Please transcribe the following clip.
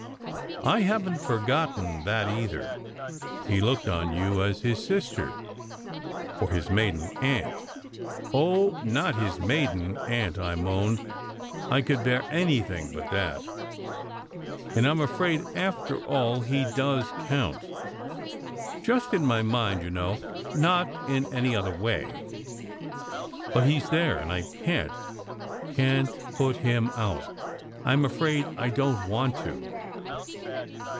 I haven t forgotten that either. He looked on you as his sister or his maiden aunt." "Oh, not his maiden aunt!" I moaned. "I could bear anything but that. And and I m afraid, after all, he does count just in my mind, you know, not in any other way. But he s there and I can t can t put him out. I m afraid I don t want to."